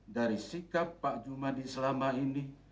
dari sikap pak jumadi selama ini